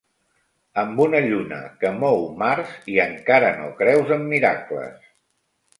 Amb una lluna que mou mars, i encara no creus en miracles?